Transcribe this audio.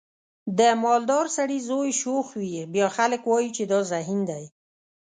د مالدار سړي زوی شوخ وي بیا خلک وایي چې دا ذهین دی.